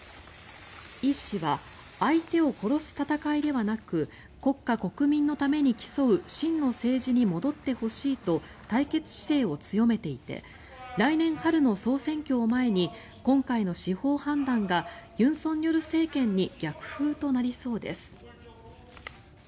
イ氏は相手を殺す戦いではなく国家国民のために競う真の政治に戻ってほしいと対決姿勢を強めていて来年春の総選挙を前に今回の司法判断が尹錫悦政権に逆風となりそうです。